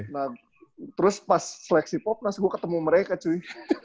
nah terus pas seleksi popnas gue ketemu mereka cuy